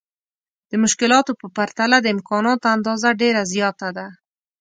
د مشکلاتو په پرتله د امکاناتو اندازه ډېره زياته ده.